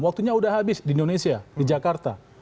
waktunya sudah habis di indonesia di jakarta